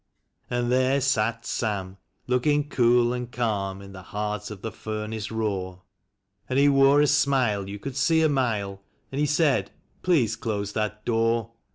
And there sat Sam, looking cool and calm, in the heart of the furnace roar; And he wore a smile you could see a mile, and he said: " Please close that door.